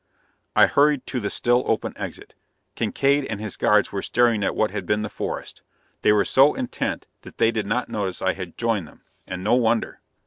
I hurried to the still open exit. Kincaide and his guards were staring at what had been the forest; they were so intent that they did not notice I had joined them and no wonder!